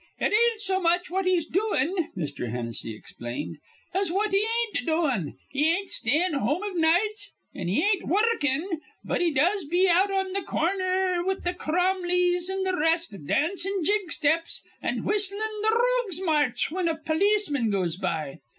"It ain't so much what he's doin'," Mr. Hennessy explained, "as what he ain't doin.' He ain't stayin' home iv nights, an' he ain't wurrukin'; but he does be out on th' corner with th' Cromleys an' th' rest, dancin' jig steps an' whistlin' th' 'Rogue's March' whin a polisman goes by.